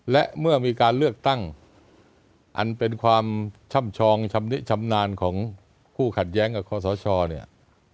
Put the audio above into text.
และเมื่อมีการเลือกตั้งอันเป็นความช่ำชองชำนิชำนาญของคู่ขัดแย้งกับคอสชเนี่ย